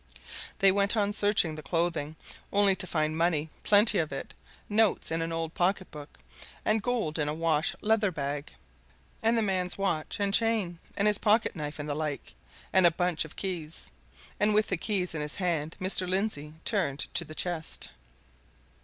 They went on searching the clothing, only to find money plenty of it, notes in an old pocket book, and gold in a wash leather bag and the man's watch and chain, and his pocket knife and the like, and a bunch of keys. And with the keys in his hand Mr. Lindsey turned to the chest.